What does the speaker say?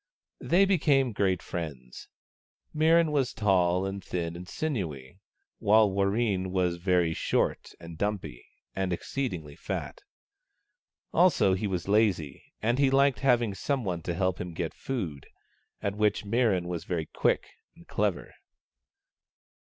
They became great friends. Mirran was tall and thin and sinewy, while Warreen was very short and dumpy, and exceedingly fat. Also, he was lazy, and he liked having some one to help him get food, at which Mirran was very quick and clever.